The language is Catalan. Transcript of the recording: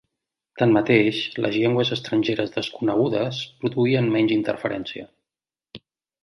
Tanmateix, les llengües estrangeres desconegudes produïen menys interferència.